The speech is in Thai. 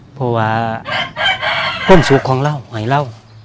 เพราะว่าพรุ่งสุขของเราให้เรา